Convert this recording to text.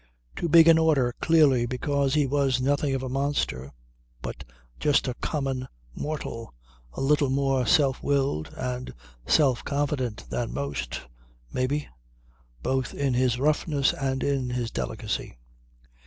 Too big an order clearly because he was nothing of a monster but just a common mortal, a little more self willed and self confident than most, may be, both in his roughness and in his delicacy.